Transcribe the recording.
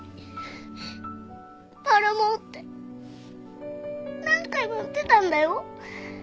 「マルモ」って何回も言ってたんだよ。